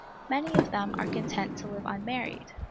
Many of them are content to live unmarried.